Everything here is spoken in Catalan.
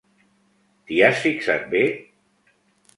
T'hi has fixat bé?